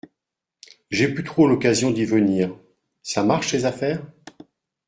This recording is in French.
j’ai plus trop l’occasion d’y venir. Ça marche, les affaires ?